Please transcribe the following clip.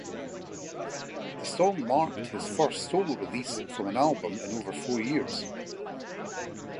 The song marked his first solo release from an album in over four years.